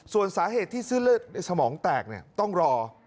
ส่วนสาเหตุที่เส้นเลือดในสมองแตกต้องรอ